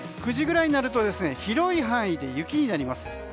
９時ぐらいになると広い範囲で雪になります。